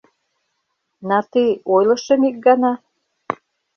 На «ты» ойлышым ик гана!